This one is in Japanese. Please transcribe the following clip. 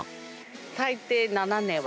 最低７年は。